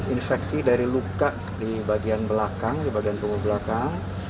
infeksi dari luka di bagian belakang di bagian tubuh belakang